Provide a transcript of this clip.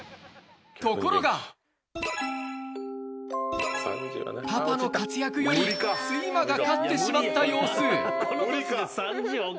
ところがパパの活躍より睡魔が勝ってしまった様子。